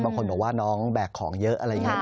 บางคนบอกว่าน้องแบกของเยอะอะไรอย่างนี้